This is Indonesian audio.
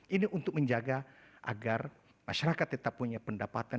ini untuk menjaga agar masyarakat tetap punya pendapatan